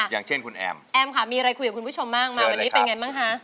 อย่างเช่นคุณแอมแอมค่ะมีอะไรคุยกับคุณผู้ชมบ้างมาวันนี้เป็นไงบ้างคะ